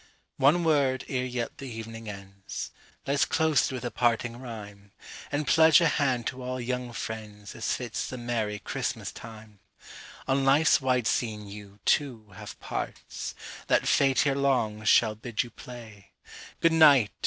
One word, ere yet the evening ends, Let's close it with a parting rhyme, And pledge a hand to all young friends, As fits the merry Christmas time. On life's wide scene you, too, have parts, That Fate ere long shall bid you play; Good night!